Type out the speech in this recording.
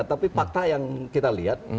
tapi fakta yang kita lihat